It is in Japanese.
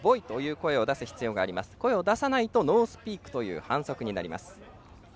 声を出さないとノースピークという反則になります。